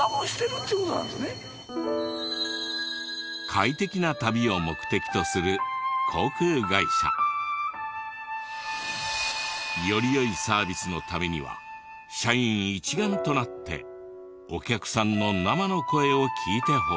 快適な旅を目的とする航空会社。より良いサービスのためには社員一丸となってお客さんの生の声を聞いてほしい。